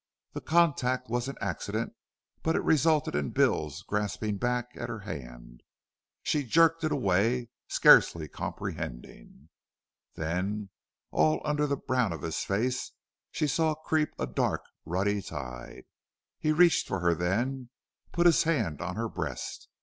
The contact was an accident, but it resulted in Bill's grasping back at her hand. She jerked it away, scarcely comprehending. Then all under the brown of his face she saw creep a dark, ruddy tide. He reached for her then put his hand on her breast.